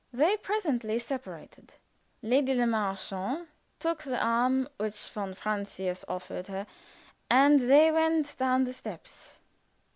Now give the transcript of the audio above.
They presently separated. Lady Le Marchant took the arm which von Francius offered her, and they went down the steps.